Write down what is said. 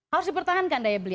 harus dipertahankan daya beli